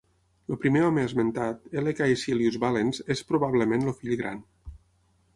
El primer home esmentat, L. Caecilius Valens, és probablement el fill gran.